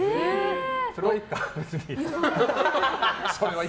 それはいっか、別に。